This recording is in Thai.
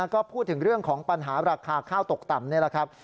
ก็พูดถึงเรื่องของปัญหาราคาข้าวตกต่ำนี่แหละครับ